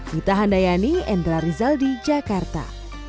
kita handayani endra rizal di jakarta